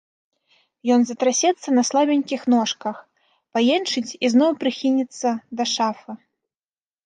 Ён затрасецца на слабенькіх ножках, паенчыць і зноў прыхінецца да шафы.